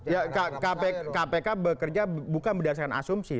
ya kpk bekerja bukan berdasarkan asumsi